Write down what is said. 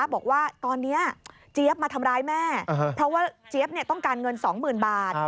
บอกว่าตอนนี้เจี๊ยบมาทำร้ายแม่เพราะว่าเจี๊ยบต้องการเงิน๒๐๐๐บาท